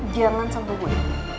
jangan sentuh gue